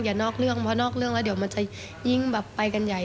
นอกเรื่องเพราะนอกเรื่องแล้วเดี๋ยวมันจะยิ่งแบบไปกันใหญ่